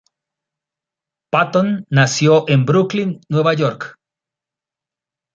Patton nació en Brooklyn, Nueva York.